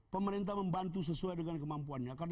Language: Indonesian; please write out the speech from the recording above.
pemerintah membantu sesuai dengan kemampuannya